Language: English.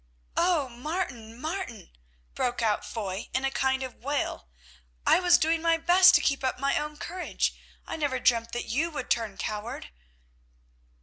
"Oh! Martin, Martin," broke out Foy in a kind of wail, "I was doing my best to keep my own courage; I never dreamt that you would turn coward."